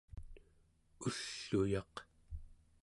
ull'uyaq